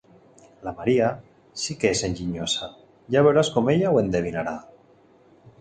La Maria sí que és enginyosa: ja veuràs com ella ho endevinarà.